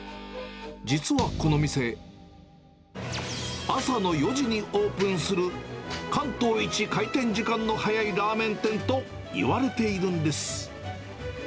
実はこの店、朝の４時にオープンする関東一開店時間の早いラーメン店といわれているんです。